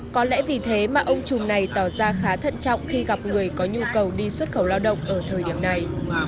có lẽ vì thế mà ông trùm này tỏ ra khá thận trọng khi gặp người có nhu cầu đi xuất khẩu lao động ở thời điểm này